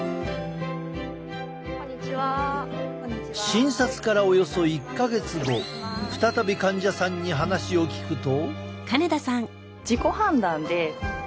診察からおよそ１か月後再び患者さんに話を聞くと。